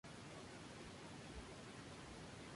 El club disputa la Liga del Fútbol Profesional Boliviano.